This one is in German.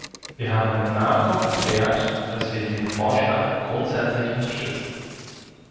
Wir haben mit Nachdruck erklärt, dass wir diesen Vorschlag grundsätzlich unterstützen.